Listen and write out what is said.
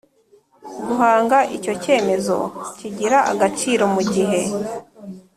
Guhanga icyo cyemezo kigira agaciro mu gihe